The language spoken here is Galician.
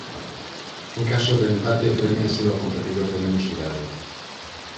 En caso de empate prémiase ao competidor de menos idade.